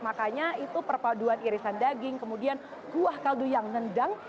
makanya itu perpaduan irisan daging kemudian kuah kaldu yang nendang